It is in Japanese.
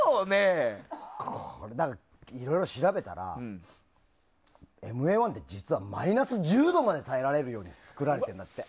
いろいろ調べたらＭＡ‐１って実はマイナス１０度にも耐えられるように作られてるんだって。